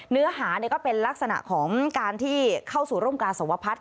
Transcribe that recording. เนื้อหาก็เป็นลักษณะของการที่เข้าสู่ร่มกาสวพัฒน์